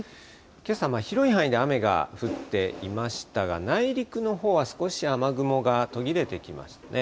けさ、広い範囲で雨が降っていましたが、内陸のほうは少し雨雲が途切れてきましたね。